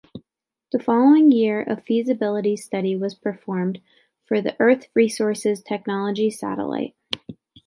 The following year a feasibility study was performed for the Earth Resources Technology Satellite.